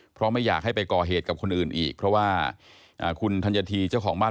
เพราะไม่อยากให้ไปก่อเหตุกับคนอื่นอีกเพราะว่าคุณธัญฑีเจ้าของบ้าน